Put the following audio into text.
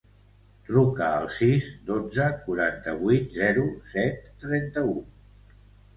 Truca al sis, dotze, quaranta-vuit, zero, set, trenta-u.